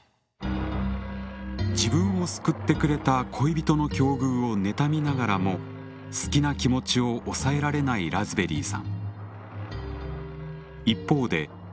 自分を救ってくれた恋人の境遇を妬みながらも好きな気持ちを抑えられないラズベリーさん。